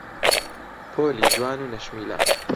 پۆلی جوان و نەشمیلان